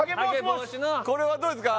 これはどうですか？